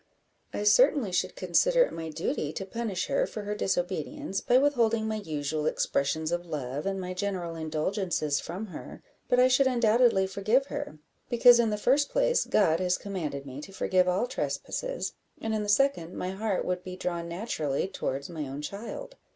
"I certainly should consider it my duty to punish her for her disobedience, by withholding my usual expressions of love and my general indulgences from her; but I should undoubtedly forgive her, because, in the first place, God has commanded me to forgive all trespasses, and in the second, my heart would be drawn naturally towards my own child."